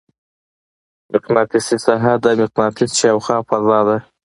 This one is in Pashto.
مقناطیسي ساحه د مقناطیس شاوخوا فضا ده.